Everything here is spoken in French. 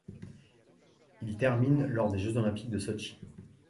Il termine lors des Jeux olympiques de Sotchi.